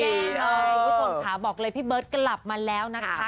คุณผู้ชมค่ะบอกเลยพี่เบิร์ตกลับมาแล้วนะคะ